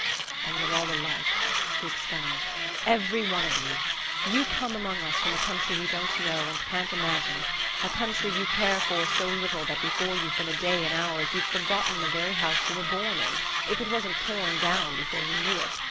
"And you're all alike," he exclaimed, "every one of you. You come among us from a country we don't know, and can't imagine, a country you care for so little that before you've been a day in ours you've forgotten the very house you were born in if it wasn't torn down before you knew it!